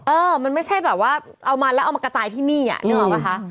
เออมันไม่ใช่แบบว่าเอามาแล้วเอามากระจายที่นี่อ่ะนึกออกป่ะคะ